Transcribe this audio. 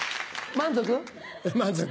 満足。